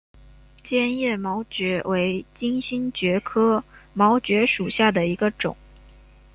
坚叶毛蕨为金星蕨科毛蕨属下的一个种。